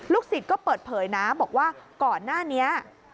ศิษย์ก็เปิดเผยนะบอกว่าก่อนหน้านี้